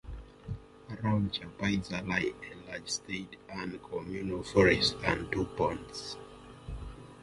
Around Chapaize lie a large state and communal forest and two ponds.